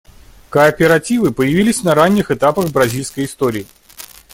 Кооперативы появились на ранних этапах бразильской истории.